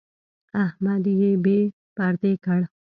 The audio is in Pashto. احمد يې بې پردې کړ.